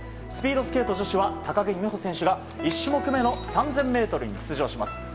スピードスケート女子は高木美帆選手が１種目めの３０００ｍに出場します。